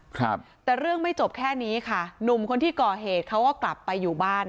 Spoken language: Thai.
ครับแต่เรื่องไม่จบแค่นี้ค่ะหนุ่มคนที่ก่อเหตุเขาก็กลับไปอยู่บ้าน